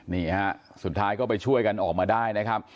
นี่ฮะสุดท้ายก็ไปช่วยกันออกมาได้นะครับ